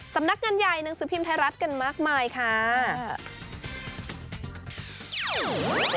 สำนักงานใหญ่หนังสือพิมพ์ไทยรัฐกันมากมายค่ะ